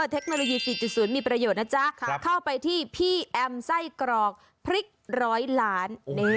เทคโนโลยีฟรีจุดศูนย์มีประโยชน์นะจ๊ะเข้าไปที่พี่แอมไส้กรอกพริกร้อยหลาน